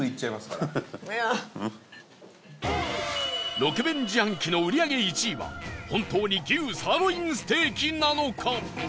ロケ弁自販機の売り上げ１位は本当に牛サーロインステーキなのか？